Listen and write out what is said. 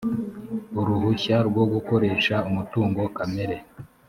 uruhushya rwo gukoresha umutungo kamere